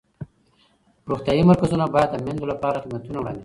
روغتیایي مرکزونه باید د میندو لپاره خدمتونه وړاندې کړي.